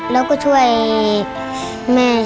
แล้วก็ช่วยแม่ชีวิต